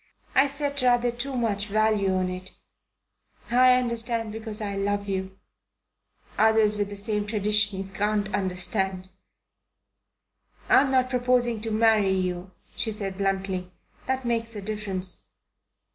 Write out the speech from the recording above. I set rather too much value on it. I understand because I love you." "Others with the same traditions can't understand." "I'm not proposing to marry you," she said bluntly. "That makes a difference."